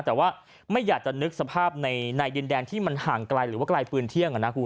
แต่ว่าไม่อยากจะนึกสภาพในดินแดนที่มันห่างไกลหรือว่าไกลปืนเที่ยง